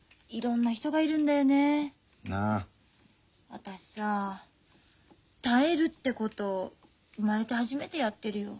私さ耐えるってこと生まれて初めてやってるよ。